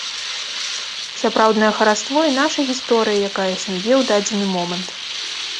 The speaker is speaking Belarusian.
Сапраўднае хараство і наша гісторыя, якая існуе ў дадзены момант.